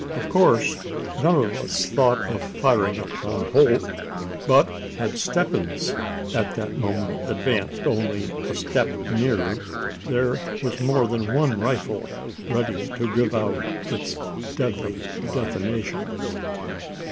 Of course, none of us thought of firing upon Holt; but, had Stebbins at the moment advanced only a step nearer, there was more than one rifle ready to give out its deadly detonation.